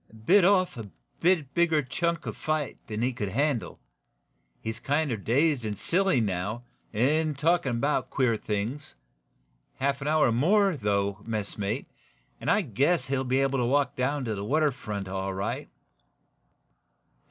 "Bit off a little bit bigger chunk of fight than he could handle. He's kinder dazed and silly, now, and talkin' about queer things. Half an hour more, though, messmate, and I guess he'll be able to walk down to the water front all right."